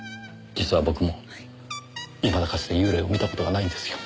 実は僕もいまだかつて幽霊を見た事がないんですよ。